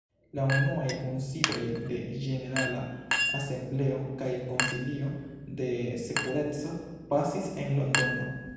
La unuaj kunsidoj de Ĝenerala Asembleo kaj Konsilio de Sekureco pasis en Londono.